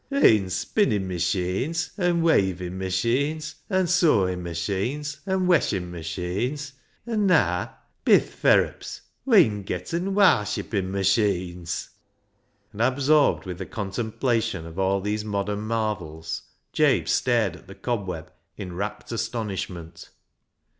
" We'en spinnin' machines, an' weyvin' machines, an' sewin' machines, an' weshin' machines, an' naa, bi th' ferrups, we'en 336 BECKSIDE LIGHTS getten zvarsliippiri machines," — and absorbed with the contemplation of all these modern marvels, Jabe stared at the cobweb in rapt astonishment.